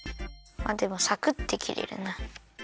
あっでもサクッて切れるな。